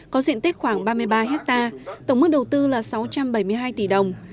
có diện tích khoảng ba mươi ba hectare tổng mức đầu tư là sáu trăm bảy mươi hai tỷ đồng